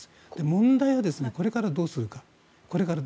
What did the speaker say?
問題は、これからどうするか。